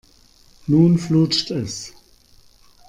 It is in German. Nun flutscht es.